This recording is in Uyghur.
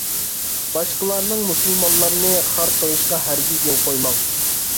باشقىلارنىڭ مۇسۇلمانلارنى خار قىلىشقا ھەرگىز يۇل قويماڭ.